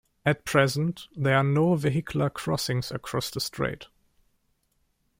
At present, there are no vehicular crossings across the strait.